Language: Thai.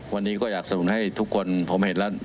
วันนี้ก็อยากสนุนให้ทุกคนผมเห็นแล้ว